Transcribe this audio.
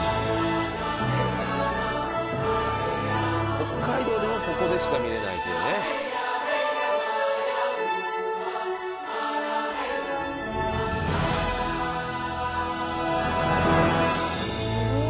北海道でもここでしか見られないというねすごっ